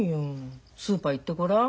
スーパー行ってごらん。